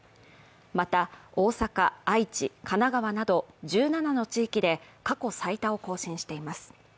また、大阪、愛知、神奈川など１７の地域で過去最多を更新しています。